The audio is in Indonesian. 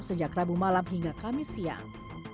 sejak rabu malam hingga kamis siang